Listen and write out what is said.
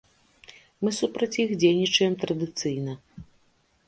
Мы супраць іх дзейнічаем традыцыйна.